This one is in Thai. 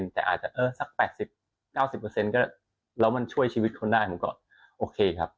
แต่อาจจะสัก๘๐๙๐ก็แล้วมันช่วยชีวิตเขาได้ผมก็โอเคครับ